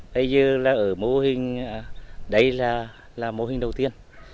bây giờ là ở mô hình đấy là mô hình đầu tiên